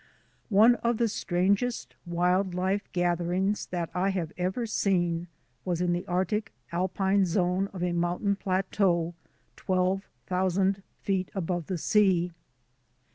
One of the strangest wild life gatherings that I have ever seen was in the Arctic alpine zone of a mountain plateau twelve thousand feet above the sea.